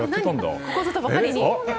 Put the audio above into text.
ここぞとばかりに。